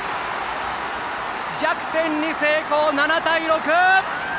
逆転に成功７対６！